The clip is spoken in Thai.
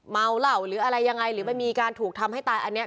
เหล่าหรืออะไรยังไงหรือมันมีการถูกทำให้ตายอันนี้